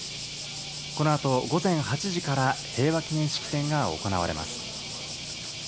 このあと、午前８時から平和記念式典が行われます。